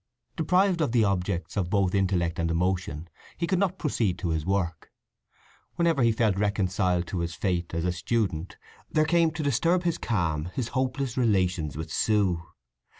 Deprived of the objects of both intellect and emotion, he could not proceed to his work. Whenever he felt reconciled to his fate as a student, there came to disturb his calm his hopeless relations with Sue.